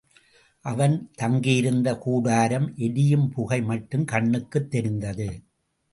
அவன் தங்கியிருந்த கூடாரம் எரியும் புகை மட்டும் கண்ணுக்குத் தெரிந்தது.